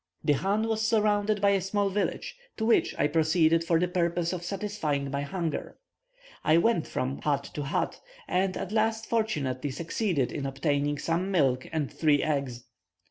The chan was surrounded by a small village, to which I proceeded for the purpose of satisfying my hunger. I went from hut to hut, and at last fortunately succeeded in obtaining some milk and three eggs.